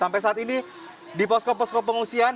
sampai saat ini di posko posko pengungsian